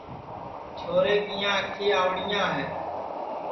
چھورے کِیاں آنکھیں آؤڑِیاں ہے